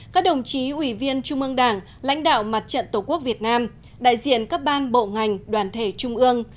các đồng chí ủy viên trung ương đảng lãnh đạo mặt trận tổ quốc việt nam đại diện các ban bộ ngành đoàn thể trung ương